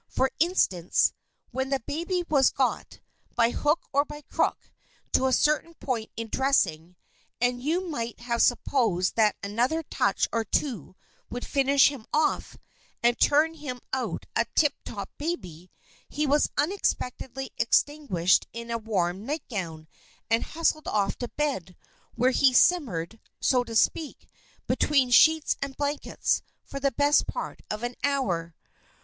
For instance, when the baby was got, by hook or by crook, to a certain point in dressing, and you might have supposed that another touch or two would finish him off, and turn him out a tiptop baby, he was unexpectedly extinguished in a warm nightgown, and hustled off to bed; where he simmered, so to speak, between sheets and blankets, for the best part of an hour.